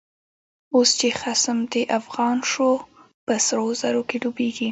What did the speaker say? اوس چی خصم د افغان شو، په سرو زرو کی ډوبيږی